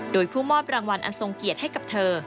โดยผู้มอบรางวัลอันทรงเกียรติให้กับเธอ